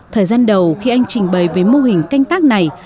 thời gian đầu khi anh trình bày về mô hình canh tác này